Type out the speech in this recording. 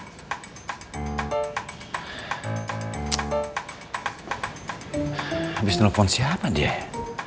habis telepon siapa dia ya